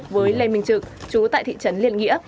với lê minh trực chú tại thị trấn liên nghĩa